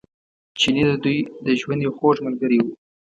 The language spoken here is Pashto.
چیني د دوی د ژوند یو خوږ ملګری و.